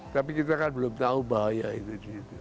tapi kita kan belum tahu bahaya itu